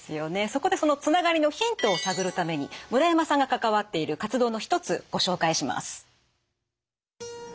そこでそのつながりのヒントを探るために村山さんが関わっている活動の一つご紹介します。